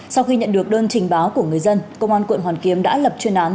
sau khi nhận được đơn trình báo của người dân công an quận hoàn kiếm đã lập chuyên án